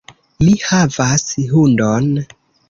Mi havas hundon.